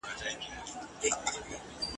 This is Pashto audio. چي یې وږي خپل اولاد نه وي لیدلي ..